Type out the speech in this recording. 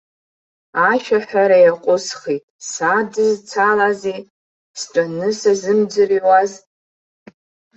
Ашәаҳәара иаҟәысхит, садызцалазеи, стәаны сазымӡырҩуаз!